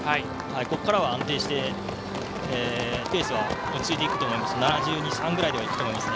ここからは安定してペースは落ち着いていくと思います。